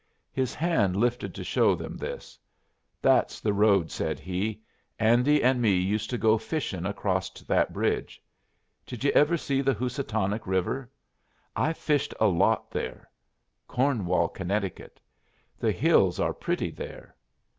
His hand lifted to show them this. "That's the road," said he. "Andy and me used to go fishin' acrosst that bridge. Did you ever see the Housatonic River? I've fished a lot there. Cornwall, Connecticut. The hills are pretty there.